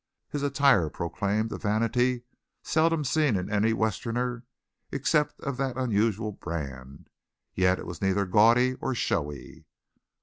His attire proclaimed a vanity seldom seen in any Westerner except of that unusual brand, yet it was neither gaudy or showy.